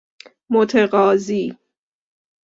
متقاضی